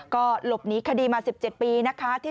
ก็หลบหนีคดีมา๑๗ปีนะคะ